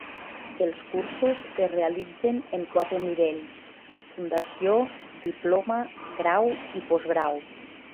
Els cursos es realitzen en quatre nivells: fundació, diploma, grau i postgrau.